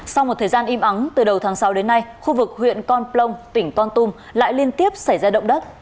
sau một thời gian im ắng từ đầu tháng sáu đến nay khu vực huyện con plong tỉnh con tum lại liên tiếp xảy ra động đất